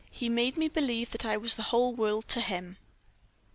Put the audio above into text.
"HE MADE ME BELIEVE THAT I WAS THE WHOLE WORLD TO HIM!"